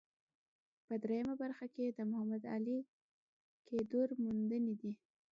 په درېیمه برخه کې د محمد علي کدیور موندنې دي.